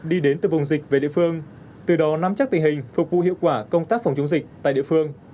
đi đến từ vùng dịch về địa phương từ đó nắm chắc tình hình phục vụ hiệu quả công tác phòng chống dịch tại địa phương